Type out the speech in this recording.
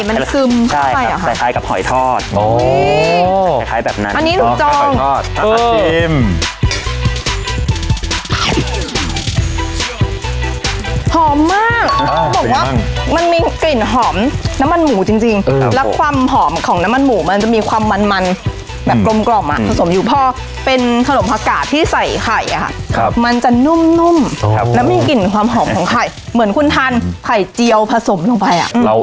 มันจะแตกต่างจากทอดธรรมดาอย่างไรคือเราจะไปบี้ให้เป็นแผ่นนะครับอ๋อ